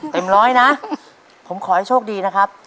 เต็มร้อยนะผมขอให้โชคดีนะครับ